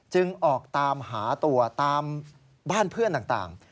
ออกตามหาตัวตามบ้านเพื่อนต่าง